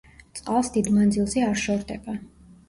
წყალს დიდ მანძილზე არ შორდება.